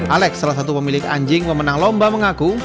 alex salah satu pemilik anjing pemenang lomba mengaku